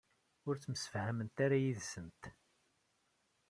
Ur ttemsefhament ara yid-sent?